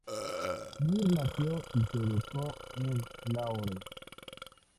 Mir nació y se educó en Lahore.